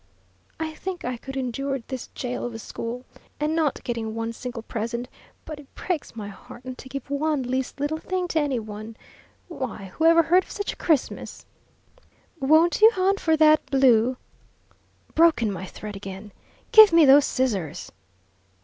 "I think I could endure this jail of a school, and not getting one single present, but it breaks my heart not to give one least little thing to any one! Why, who ever heard of such a Christmas!" "Won't you hunt for that blue " "Broken my thread again!" "Give me those scissors!"